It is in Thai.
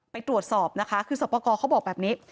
ไปตรวจสอบนะคะคือสอบประกอบเขาบอกแบบนี้